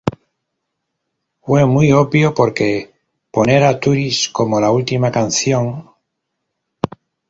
Fue muy obvio porque poner a 'Tourist' como la última canción.